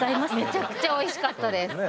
めちゃくちゃおいしかったです。